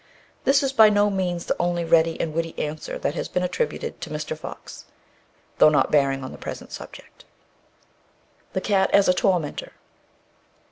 '" This is by no means the only ready and witty answer that has been attributed to Mr. Fox, though not bearing on the present subject. THE CAT AS A TORMENTOR.